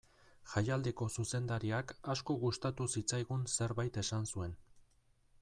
Jaialdiko zuzendariak asko gustatu zitzaigun zerbait esan zuen.